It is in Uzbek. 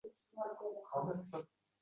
noto‘g‘ri relsga tushib qolgan poyezd